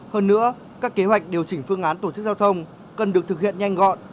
hơn nữa các kế hoạch điều chỉnh phương án tổ chức giao thông cần được thực hiện nhanh gọn